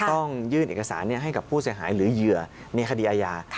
ต้องยื่นเอกสารให้กับผู้เสียหายหรือเหยื่อในคดีอาญา